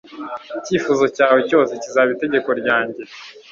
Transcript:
icyifuzo cyawe cyose kizaba itegeko ryanjye